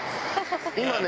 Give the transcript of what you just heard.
今ね